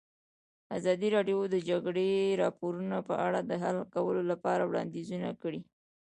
ازادي راډیو د د جګړې راپورونه په اړه د حل کولو لپاره وړاندیزونه کړي.